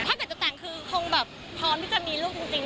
ถ้าเกิดจะแต่งคือคงแบบพร้อมที่จะมีลูกจริง